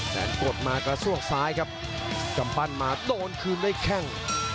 แสนกดมากระซวกซ้ายครับกำปั้นมาโดนคืนด้วยแข้ง